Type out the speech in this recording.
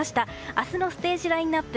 明日のステージラインアップ